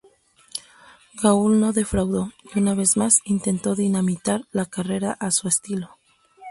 Gaul no defraudó, y una vez más, intentó dinamitar la carrera a su estilo.